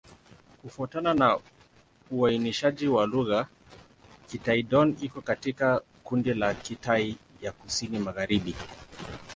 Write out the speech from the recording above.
Kufuatana na uainishaji wa lugha, Kitai-Dón iko katika kundi la Kitai ya Kusini-Magharibi.